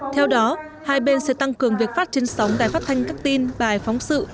theo đó hai bên sẽ tăng cường việc phát trên sóng đài phát thanh các tin bài phóng sự